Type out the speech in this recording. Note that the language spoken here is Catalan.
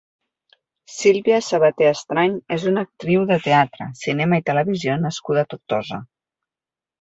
Sílvia Sabaté Estrany és una actriu de teatre, cinema i televisió nascuda a Tortosa.